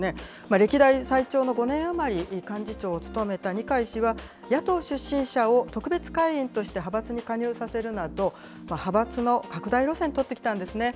歴代最長の５年余り、幹事長を務めた二階氏は、野党出身者を特別会員として派閥に加入させるなど、派閥の拡大路線を取ってきたんですね。